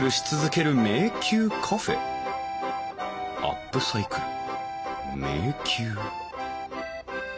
アップサイクル迷宮？